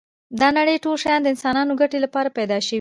دا نړی ټول شیان د انسانانو ګټی لپاره پيدا شوی